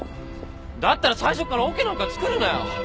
だったら最初からオケなんかつくるなよ！